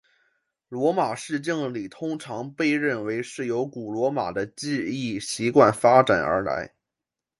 罗马式敬礼通常被认为是由古罗马的致意习惯发展而来。